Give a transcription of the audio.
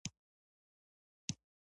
ښه تند باد چلیده.